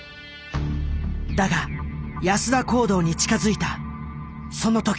だが安田講堂に近づいたその時。